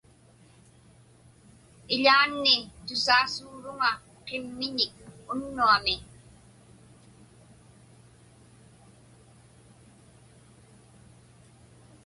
Iḷaanni tusaasuuruŋa qimmiñik unnuami.